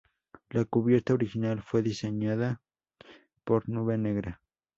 La cubierta original fue diseñada por Nube Negra.